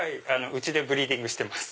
うちでブリーディングしてます。